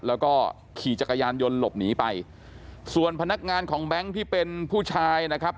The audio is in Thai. แล้วก็ขี่จักรยานยนต์หลบหนีไปส่วนพนักงานของแบงค์ที่เป็นผู้ชายนะครับ